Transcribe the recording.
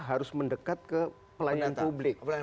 harus mendekat ke pelayanan publik